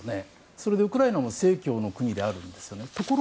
それでウクライナも正教の国であるんですよね。